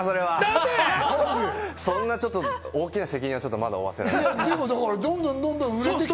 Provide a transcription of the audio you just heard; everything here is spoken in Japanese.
そんな大きな責任は負わせられない。